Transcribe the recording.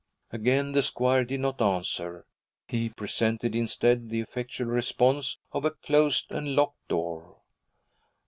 Again the squire did not answer. He presented instead the effectual response of a closed and locked door.